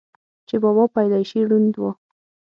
چې بابا پېدائشي ړوند وو،